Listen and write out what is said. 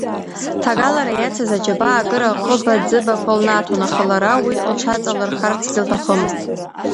Ҭагалара иацыз аџьабаа акыр аҟыба-ӡыбақәа лнаҭон, аха лара уи лҽаҵалырхарцгьы лҭахымызт.